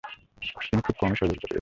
তিনি খুব কমই সহযোগিতা পেয়েছেন।